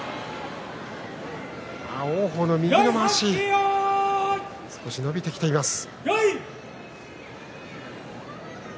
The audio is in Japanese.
王鵬の右のまわしが少し伸びてきました。